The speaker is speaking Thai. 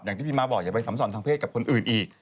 ที่พี่ม้าบอกอย่าไปซ้ำสอนทางเพศกับคนอื่นอีก